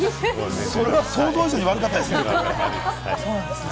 想像以上に悪かったですね。